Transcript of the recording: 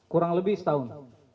kurang lebih setahun